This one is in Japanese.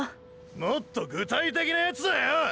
もっと具体的なヤツだよ！！